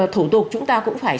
thủ tục chúng ta cũng phải